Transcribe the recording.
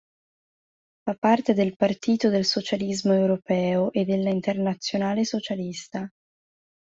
Fa parte del Partito del Socialismo Europeo e della Internazionale Socialista.